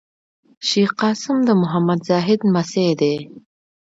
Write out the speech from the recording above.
شېخ قاسم د محمد زاهد لمسی دﺉ.